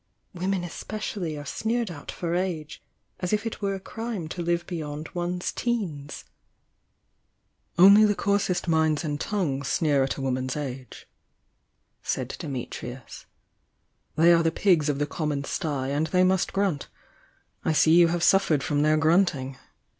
Women especially are sneered at for age, as if it were a crime to live beyond one's teens." 160 THE YOUNG DIANA "Only the coarsest minds and tongues sneer at a woman's age," said Dimitrius. "They are the pigs of the common stye, and they must grunt. I see you have suffered from their grunting!